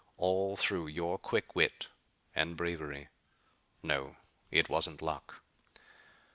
All through your quick wit and bravery. No, it wasn't luck."